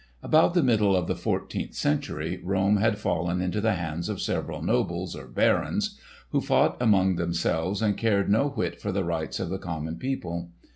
About the middle of the fourteenth century, Rome had fallen into the hands of several nobles, or barons, who fought among themselves and cared no whit for the rights of the common people.